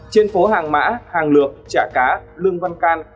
trên phố hàng mã hàng lược chả cá lương văn can